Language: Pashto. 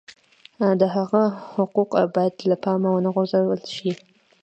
د هغه حقوق باید له پامه ونه غورځول شي.